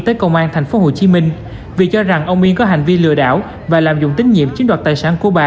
tới công an tp hcm vì cho rằng ông yên có hành vi lừa đảo và làm dụng tín nhiệm chiến đoạt tài sản của bà